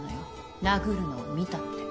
殴るのを見たって。